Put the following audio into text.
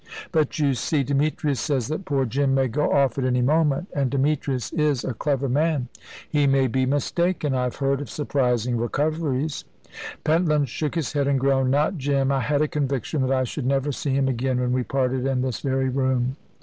"But you see, Demetrius says that poor Jim may go off at any moment and Demetrius is a clever man." "He may be mistaken. I have heard of surprising recoveries." Pentland shook his head, and groaned. "Not Jim. I had a conviction that I should never see him again when we parted in this very room."